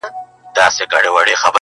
چي ورته سر ټيټ كړمه ، وژاړمه.